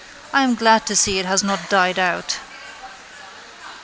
I am glad to see it has not died out.